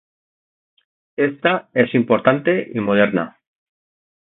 Esta es importante y moderna.